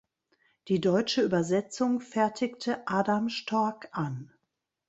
Die deutsche Übersetzung fertigte Adam Storck an.